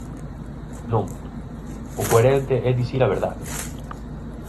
Non, o coherente é dicir a verdade.